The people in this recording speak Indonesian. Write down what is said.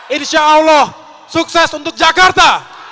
insya allah sukses untuk jakarta